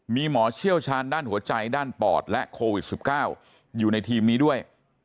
มีหมอเชี่ยวชาญด้านหัวใจด้านปอดและโควิด๑๙อยู่ในทีมนี้ด้วย